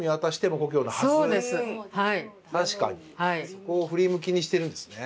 そこを「ふり向き」にしてるんですね。